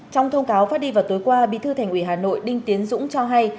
trong thông cáo phát đi vào tối qua bí thư thành ủy hà nội đinh tiến dũng cho hay